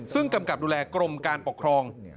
ซึ่งกำกับดูแลกรมการปกครอง